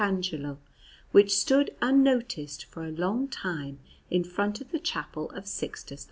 Angelo, which stood unnoticed for a long time in front of the Chapel of Sixtus IV.